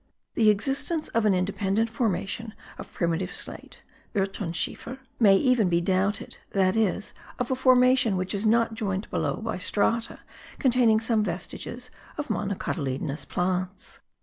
The existence of an independent formation of primitive slate (urthonschiefer) may even be doubted, that is, of a formation which is not joined below by strata containing some vestiges of monocotyledonous plants.